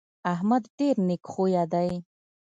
احمد ډېر نېک خویه دی.